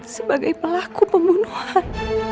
sebagai pelaku pembunuhan